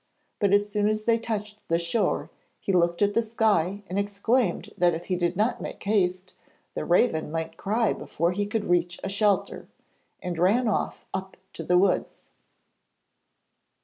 But as soon as they touched the shore he looked at the sky and exclaimed that if he did not make haste the raven might cry before he could reach a shelter, and ran off up to the woods.